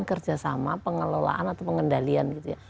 kerjasama pengelolaan atau pengendalian gitu ya